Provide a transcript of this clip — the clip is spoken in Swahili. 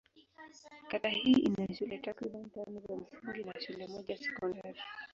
Kata hii ina shule takriban tano za msingi na shule moja ya sekondari.